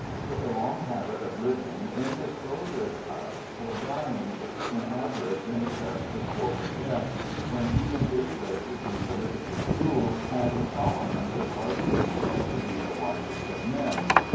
But the long habit of living indisposeth us for dying, when avarice makes us the sport of death, when even David grew politically cruel, and Solomon could hardly be said to be the wisest of men.